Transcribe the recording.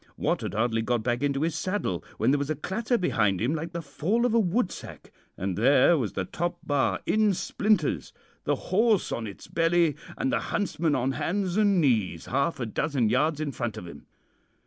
Wat had hardly got back into his saddle when there was a clatter behind him like the fall of a woodstack, and there was the top bar in splinters, the horse on its belly, and the huntsman on hands and knees half a dozen yards in front of him.